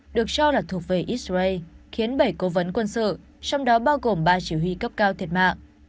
được cho là thuộc về israel khiến bảy cố vấn quân sự trong đó bao gồm ba chỉ huy cấp cao thiệt mạng